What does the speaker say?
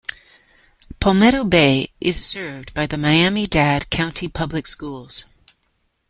Palmetto Bay is served by the Miami-Dade County Public Schools.